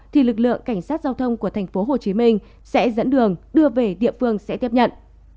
thì lực lượng cảnh sát giao thông của tp hcm sẽ dẫn đường đưa về địa phương sẽ tiếp nhận